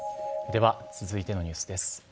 では、続いてのニュースです。